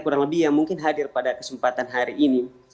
kurang lebih yang mungkin hadir pada kesempatan hari ini